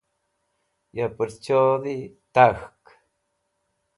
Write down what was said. ya purchod tak̃hk